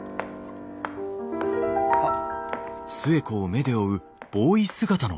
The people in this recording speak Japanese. あっ。